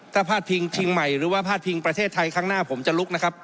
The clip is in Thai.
ถ้าพาดพิงชิงใหม่หรือว่าพาดพิงประเทศไทยครั้งหน้าผมจะลุกนะครับ